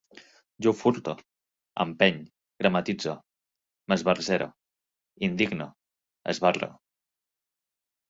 Jo furte, empeny, gramatitze, m'esbarzere, indigne, esbarre